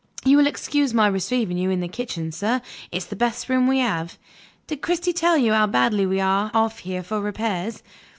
You will excuse my receiving you in the kitchen, sir; it's the best room we have. Did Cristy tell you how badly we are off here for repairs?